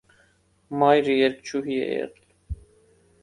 Մայրը երգչուհի է եղել։